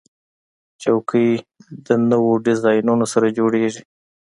چوکۍ د نوو ډیزاینونو سره جوړیږي.